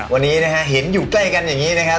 วันนี้นะฮะเห็นอยู่ใกล้กันอย่างนี้นะครับ